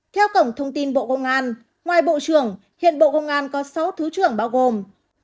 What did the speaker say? theo cổng thông tin bộ công an ngoài bộ trưởng hiện bộ công an có sáu thứ trưởng bao gồm